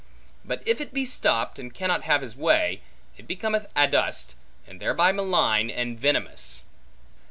But if it be stopped, and cannot have his way, it becometh adust, and thereby malign and venomous.